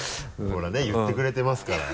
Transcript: ほらね言ってくれてますから。